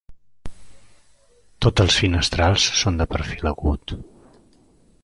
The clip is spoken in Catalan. Tots els finestrals són de perfil agut.